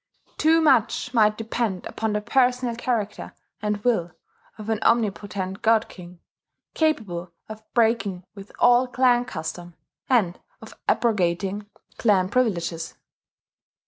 Too much might depend upon the personal character and will of an omnipotent God King, capable of breaking with all clan custom, and of abrogating clan privileges.